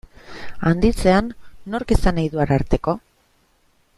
Handitzean, nork izan nahi du Ararteko?